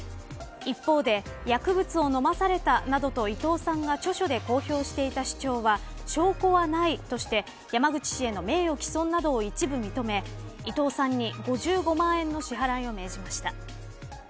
一方で、薬物を飲まされたなどと伊藤さんが著書で公表していた主張は証拠はないとして、山口氏への名誉毀損など一部認め伊藤さんに５５万円の支払いを命じました。